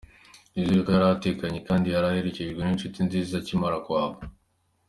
Nizere ko yari atekanye kandi ko yari aherekejwe n’inshuti nziza akimara kuhava.